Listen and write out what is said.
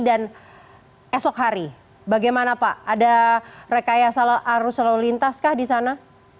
dan esok hari bagaimana pak ada rekaya arus leluhur lintas kah di sana